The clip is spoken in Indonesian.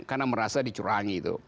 karena merasa dicurangi itu